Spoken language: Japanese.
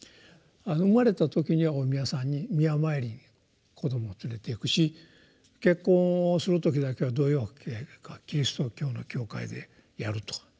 生まれた時にはお宮さんにお宮参りに子どもを連れていくし結婚をする時だけはどういうわけかキリスト教の教会でやると。